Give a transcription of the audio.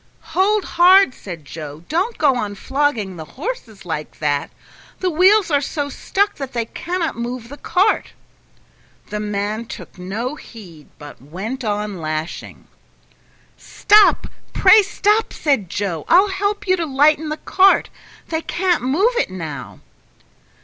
"Hold hard," said Joe; "don't go on flogging the horses like that; the wheels are so stuck that they cannot move the cart." The man took no heed, but went on lashing. "Stop! pray stop!" said Joe. "I'll help you to lighten the cart; they can't move it now."